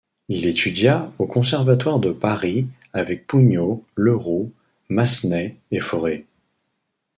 Il étudia au Conservatoire de Paris avec Pugno, Leroux, Massenet et Fauré.